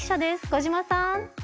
小島さん。